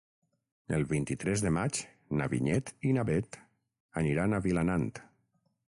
El vint-i-tres de maig na Vinyet i na Bet aniran a Vilanant.